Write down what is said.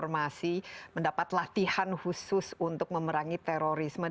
kita lihat dulu memiliki beberapa ind